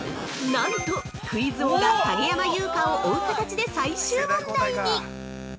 ◆なんと、クイズ王が影山優佳を追う形で最終問題に！